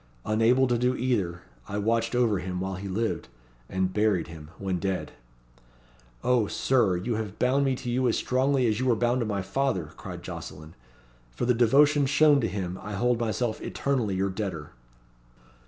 Unable to do either, I watched over him while he lived and buried him when dead." "O Sir, you have bound me to you as strongly as you were bound to my father," cried Jocelyn. "For the devotion shown to him, I hold myself eternally your debtor."